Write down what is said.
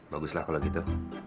baguslah kalau gitu